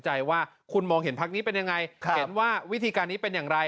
ใช่แต่ละพักก็จะมีแบบนี้